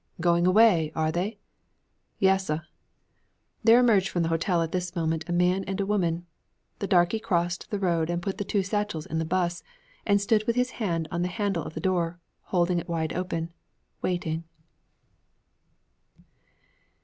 'Going away, are they?' 'Yassuh.' There emerged from the hotel at this moment a man and a woman. The darkey crossed the road and put the two satchels in the 'bus and stood with his hand on the handle of the door, holding it wide open, waiting.